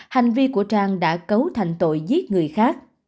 hành vi của trang đã cấu thành tội giết người khác